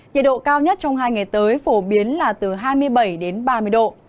nhiệt độ cao nhất trong hai ngày tới phổ biến là từ hai mươi bảy đến ba mươi độ